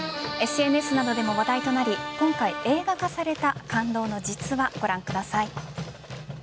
ＳＮＳなどでも話題となり今回、映画化された感動の実話ご覧ください。